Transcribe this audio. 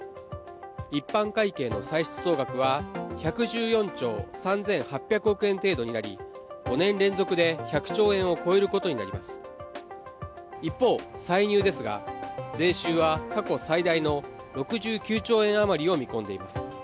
一般会計の歳出総額は１１４兆３８００億円程度になり５年連続で１００兆円を超えることになります一方歳入ですが税収は過去最大の６９兆円余りを見込んでいます